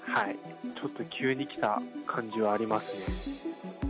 ちょっと急にきた感じはありますね。